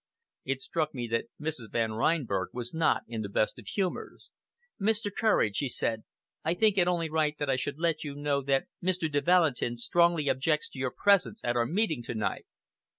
It struck me that Mrs. Van Reinberg was not in the best of humors. "Mr. Courage," she said, "I think it only right that I should let you know that Mr. de Valentin strongly objects to your presence at our meeting to night."